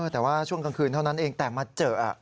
แต่ว่าช่วงกลางคืนเท่านั้นเองแต่มาเจอ